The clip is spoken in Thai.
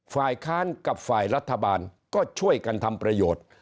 ฝ่ายค้านกับฝ่ายรัฐบาลก็ช่วยกันทำประโยชน์